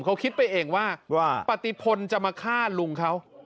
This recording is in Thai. เขาคิดไปเองว่าปฏิพลจะมาฆ่าลุงเขา